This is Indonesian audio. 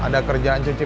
ada kerjaan cincin